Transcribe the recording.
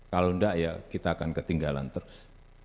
kalau enggak ya kita akan ketinggalan terus